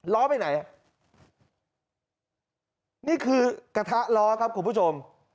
ล้อไปไหนอ่ะนี่คือกระทะล้อครับคุณผู้ชม